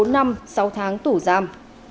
bốn năm sáu tháng tủ giam